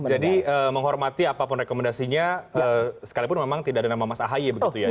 menghormati apapun rekomendasinya sekalipun memang tidak ada nama mas ahy begitu ya